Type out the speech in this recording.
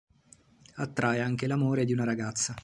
Attrae anche l'amore di una ragazza.